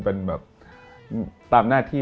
เป็นแบบตามหน้าที่